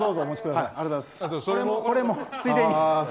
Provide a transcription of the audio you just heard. これもついでに。